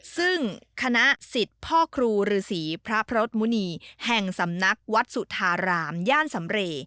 ซึ่งคณะสิทธิ์พ่อครูฤษีพระพรสมุณีแห่งสำนักวัดสุธารามย่านสำเร